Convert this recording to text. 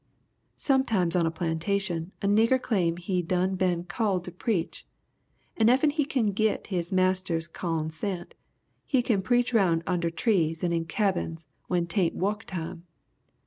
Sometimes on a plantation a nigger claim he done been called to preach and effen he kin git his marster's cawn sent he kin preach round under trees and in cabins when t'aint wuk time.